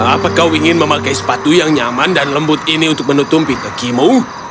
apa kau ingin memakai sepatu yang nyaman dan lembut ini untuk menutupi tekimu